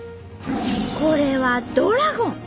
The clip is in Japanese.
これは「ドラゴン」。